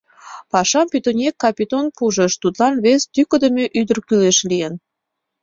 Пашам пӱтынек Капитон пужыш: тудлан вес тӱкыдымӧ ӱдыр кӱлеш лийын.